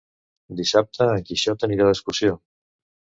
Dissabte en Quixot anirà d'excursió.